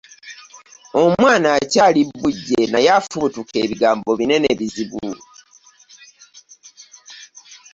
Omwana akyali bujje naye afubutuka ebigambo binere bizibu.